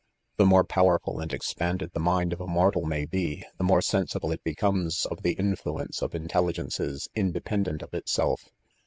The more powerful and expanded the mind of a mortal may be, the more sensible it becomes oT the influence of iftteiligcncics independent of itself.